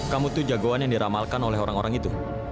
kamu tuh jagoan yang diramalkan oleh orang orang itu